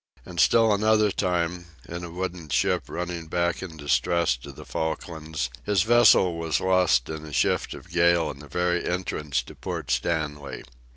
And still another time, in a wooden ship running back in distress to the Falklands, his vessel was lost in a shift of gale in the very entrance to Port Stanley.